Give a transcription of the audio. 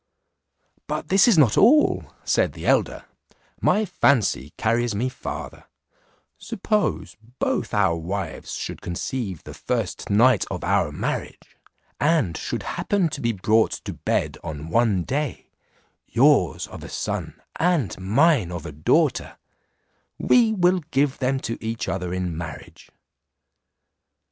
"But this is not all," said the elder; "my fancy carries me farther: Suppose both our wives should conceive the first night of our marriage, and should happen to be brought to bed on one day, yours of a son, and mine of a daughter, we will give them to each other in marriage."